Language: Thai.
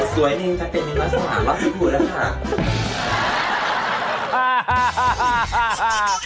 สวยนึงสะเป็ดนึงรับรับสังขยะค่ะ